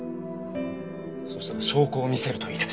そしたら証拠を見せると言い出して。